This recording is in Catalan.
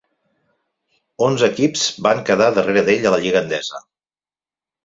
Onze equips van quedar darrere d'ell a la Lliga Endesa.